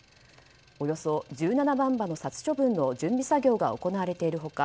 およそ１７万羽の殺処分の準備作業が行われているほか